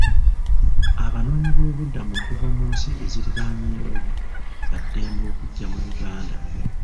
Abanoonyiboobubudamu okuva mu nsi eziriraanyeewo ba ddembe okujja mu Uganda.